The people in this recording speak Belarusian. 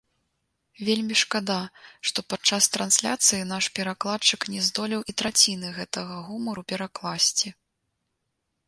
Вельмі шкада, што падчас трансляцыі наш перакладчык не здолеў і траціны гэтага гумару перакласці.